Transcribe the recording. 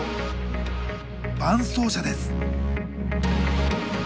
伴走者です。